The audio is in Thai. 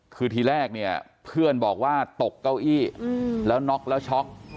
คือทีแรกเนี่ยเพื่อนบอกว่าตกเก้าอี้แล้วน็อกแล้วช็อก